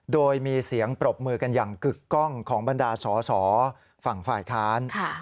โดยมีเสียงปรบมือกันอย่างกึกกล้องของบรรดาสอสอฝั่งฝ่ายค้าน